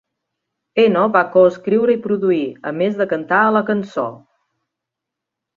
Eno va co-escriure i produir, a més de cantar a la cançó.